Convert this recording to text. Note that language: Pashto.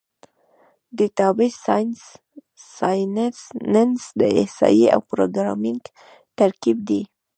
ډیټا سایننس د احصایې او پروګرامینګ ترکیب دی.